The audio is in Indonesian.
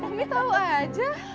umi tau aja